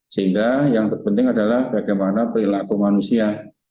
sehingga yang terpenting adalah bagaimana perilaku manusia